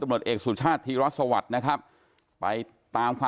แต่ว่าคือไม่มีใครหาแสดงว่าไม่ใช่คนบ้านเรา